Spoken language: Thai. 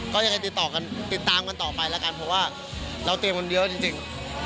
ก็ยังไงติดต่อกันติดตามกันต่อไปแล้วกันเพราะว่าเราเตรียมกันเยอะจริง